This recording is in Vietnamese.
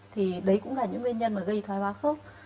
thì đấy cũng là những nguyên nhân mà gây thoái hóa khớp